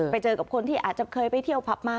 ไปเจอกับคนที่อาจจะเคยไปเที่ยวผับมา